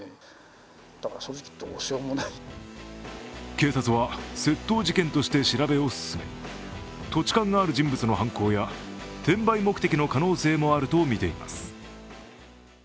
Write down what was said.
警察は、窃盗事件として調べを進め、土地勘がある人物の犯行や転売目的の可能性もあるとみています。